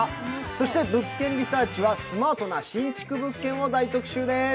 そして「物件リサーチ」はスマートな新築物件大特集です。